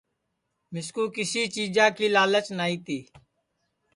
مِسکُو کسی چیجا کی لالچ نائی تی